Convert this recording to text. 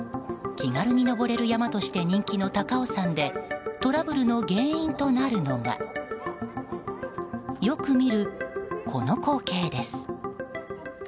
気軽に登れる山として人気の高尾山でトラブルの原因となるのがよく見るこの光景です。